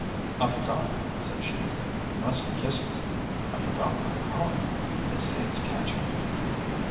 "I forgot," said she. "You mustn't kiss me. I forgot my cough. They say it's catching."